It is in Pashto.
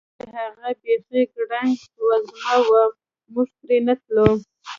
دا چې هغه بیخي ګړنګ وزمه وه، موږ پرې نه تلو.